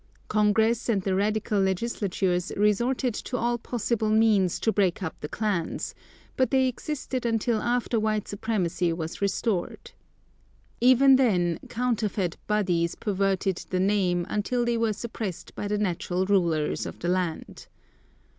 Congress and the radical legislatures resorted to all possible means to break up the klans, but they existed until after white supremacy was restored. Even then, counterfeit bodies perverted the name until they were suppressed by the natural rulers of the land.